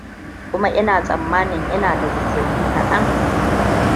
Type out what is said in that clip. kuma ina tsammanin ina da zazzaɓi kaɗan